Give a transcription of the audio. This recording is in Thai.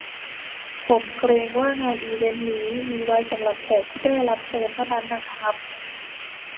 ผมเกรงว่างานอีเวนท์นี้มีไว้สำหรับแขกที่ได้รับเชิญเท่านั้นนะครับ